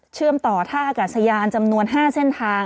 ต่อท่าอากาศยานจำนวน๕เส้นทาง